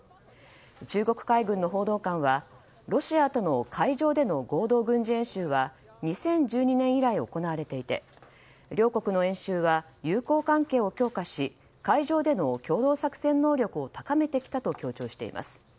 中国海軍の報道官はロシアとの海上での合同軍事演習は２０１２年以来行われていて両国の演習は友好関係を強化し海上での共同作戦能力を高めてきたと強調しています。